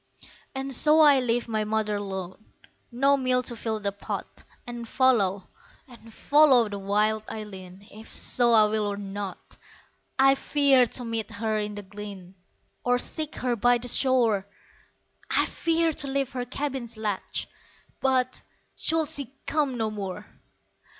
And so I leave my mother lone, No meal to fill the pot, And follow, follow wild Eileen. If so I will or not. I fear to meet her in the glen, Or seek her by the shore; I fear to lift her cabin's latch, But should she come no more!